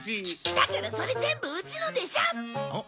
だけどそれ全部うちのでしょ！